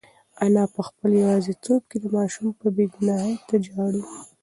انا په خپل یوازیتوب کې د ماشوم بې گناهۍ ته ژاړي.